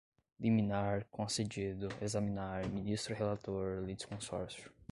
liminar, concedido, examinar, ministro relator, litisconsórcio